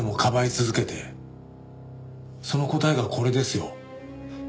その答えがこれですよ。